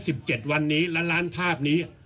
สิบเจ็ดวันนี้ล้านล้านภาพนี้